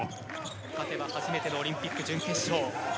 勝てば初めてのオリンピック準決勝。